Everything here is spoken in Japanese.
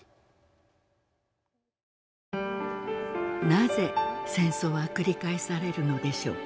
なぜ戦争は繰り返されるのでしょうか？